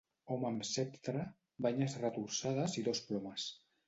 Home amb ceptre, banyes retorçades i dos plomes.